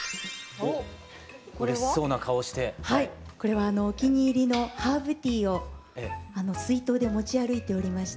はいこれはお気に入りのハーブティーを水筒で持ち歩いておりまして。